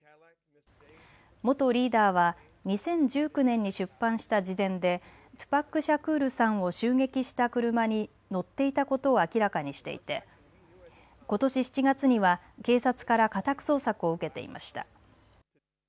元リーダーは２０１９年に出版した自伝でトゥパック・シャクールさんを襲撃した車に乗っていたことを明らかにしていてことし７月には警察から家宅捜索を受けていました。